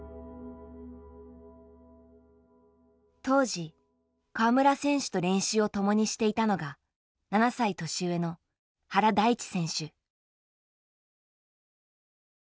当時川村選手と練習を共にしていたのが７歳年上の原大智選手。